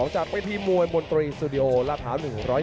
จากพี่พี่มวยมนตรีสตูดิโอราภา๑๐๑